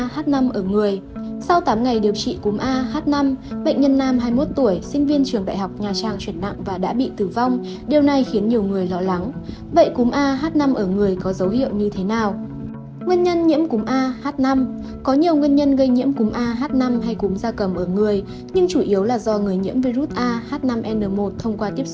hãy đăng ký kênh để ủng hộ kênh của chúng mình nhé